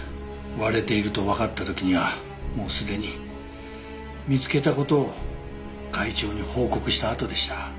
割れているとわかった時にはもうすでに見つけた事を会長に報告したあとでした。